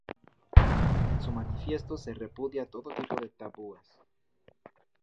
En su manifiesto se repudia todo tipo de tabúes.